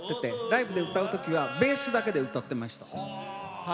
ライブで歌う時はベースだけで歌っていました。